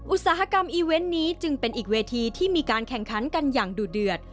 อุตสาหกรรมอีเวนต์นี้จึงเป็นอีกเวทีที่มีการแข่งขันกันอย่างดูเดือด